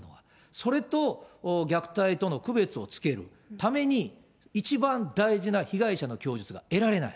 それと虐待との区別をつけるために、一番大事な被害者の供述が得られない。